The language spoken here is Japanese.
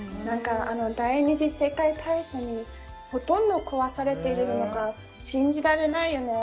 第二次世界大戦でほとんど壊されているのが信じられないよね。